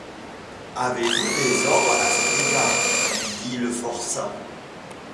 Avez-vous des ordres à cet égard? lui dit le forçat.